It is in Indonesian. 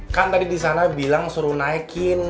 kan tadi di sana bilang suruh naikin